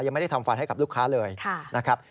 ไม่ได้ทำฟันให้กับลูกค้าเลยนะครับ